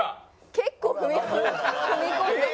結構踏み込んでる。